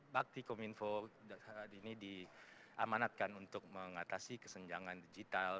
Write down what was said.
baktikominfo ini diamanatkan untuk mengatasi kesenjangan digital